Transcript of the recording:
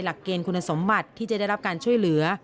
หลักเกณฑ์คุณสมบัติที่จะได้รับการช่วยเหลือ